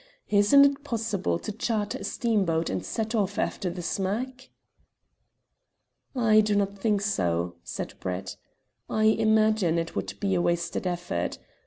Isn't it possible to charter a steamboat and set off after the smack?" "I do not think so," said Brett. "I imagine it would be wasted effort.